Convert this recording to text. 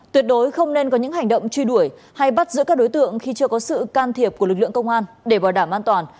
tuyệt đối không nên có những hành động truy đuổi hay bắt giữ các đối tượng khi chưa có sự can thiệp của lực lượng công an để bảo đảm an toàn